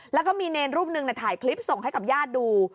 แล้วก็มีเนรรูปหนึ่งถ่ายคลิปส่งให้กับญาติดู